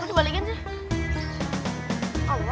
kok dibalikin sih